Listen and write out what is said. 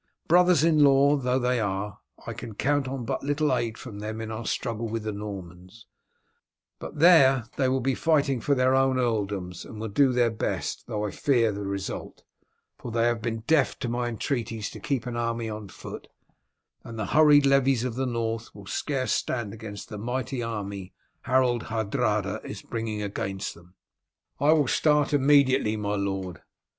Brothers in law though they are I can count on but little aid from them in our struggle with the Normans, but there they will be fighting for their own earldoms and will do their best, though I fear the result, for they have been deaf to my entreaties to keep an army on foot, and the hurried levies of the North will scarce stand against the mighty army Harold Hardrada is bringing against them." "I will start immediately, my lord."